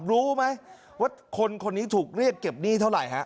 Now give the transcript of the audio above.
รู้ไหมว่าคนคนนี้ถูกเรียกเก็บหนี้เท่าไหร่ฮะ